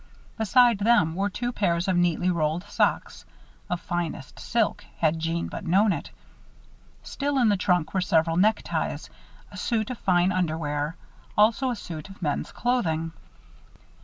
Beside them were two pairs of neatly rolled socks of finest silk, had Jeanne but known it. Still in the trunk were several neckties, a suit of fine underwear, also a suit of men's clothing.